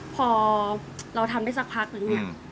พอเราทำได้สักพักนึงเนี่ย